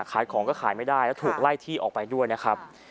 ขายของก็ขายไม่ได้แล้วถูกไล่ที่ออกไปด้วยนะครับ